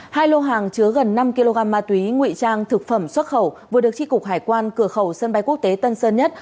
hai lô hàng chứa gần năm kg ma túy nguy trang thực phẩm xuất khẩu vừa được tri cục hải quan cửa khẩu sân bay quốc tế tân sơn nhất